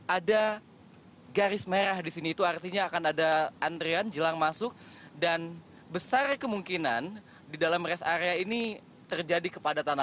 ada garis merah di sini itu artinya akan ada antrian jelang masuk dan besar kemungkinan di dalam rest area ini terjadi kepadatan